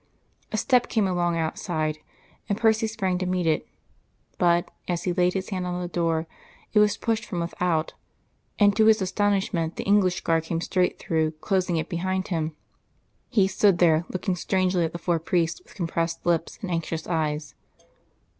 A step came along outside, and Percy sprang to meet it, but, as he laid his hand on the door, it was pushed from without, and to his astonishment the English guard came straight through, closing it behind him. He stood there, looking strangely at the four priests, with compressed lips and anxious eyes.